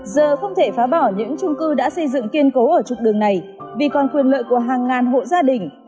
giờ không thể phá bỏ những trung cư đã xây dựng kiên cố ở trục đường này vì còn quyền lợi của hàng ngàn hộ gia đình